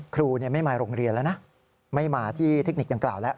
ครูไม่มาโรงเรียนแล้วนะไม่มาที่เทคนิคดังกล่าวแล้ว